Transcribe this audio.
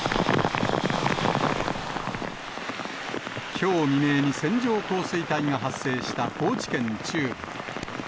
きょう未明に線状降水帯が発生した高知県中部。